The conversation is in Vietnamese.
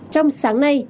trong sáng nay